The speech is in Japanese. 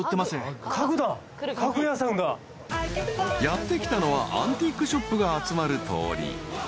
［やって来たのはアンティークショップが集まる通り］